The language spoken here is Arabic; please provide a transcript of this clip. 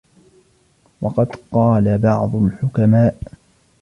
وَقَدْ قَالَ بَعْضُ الْحُكَمَاءِ